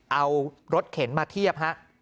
เอารถเข็นมาเทียบฮะ